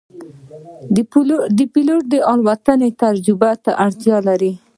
پیلوټ د الوتنې تجربې ته اړتیا لري.